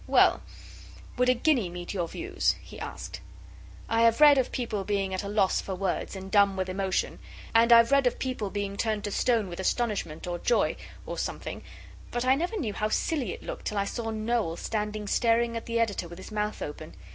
'Well, would a guinea meet your views?' he asked. I have read of people being at a loss for words, and dumb with emotion, and I've read of people being turned to stone with astonishment, or joy, or something, but I never knew how silly it looked till I saw Noel standing staring at the Editor with his mouth open.